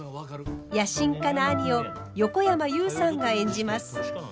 野心家な兄を横山裕さんが演じます。